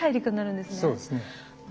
そうですね。